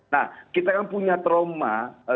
nah kita kan punya trauma